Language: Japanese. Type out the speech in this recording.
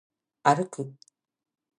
歩く